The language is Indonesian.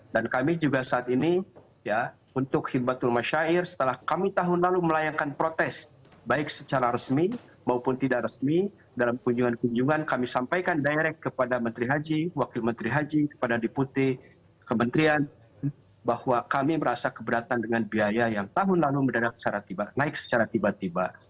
dan kami juga saat ini ya untuk khidmatul masyair setelah kami tahun lalu melayangkan protes baik secara resmi maupun tidak resmi dalam kunjungan kunjungan kami sampaikan direct kepada menteri haji wakil menteri haji kepada diputi kementerian bahwa kami merasa keberatan dengan biaya yang tahun lalu naik secara tiba tiba